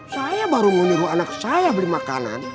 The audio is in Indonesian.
saya baru mau niru anak saya beli makanan